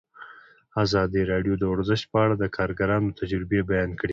ازادي راډیو د ورزش په اړه د کارګرانو تجربې بیان کړي.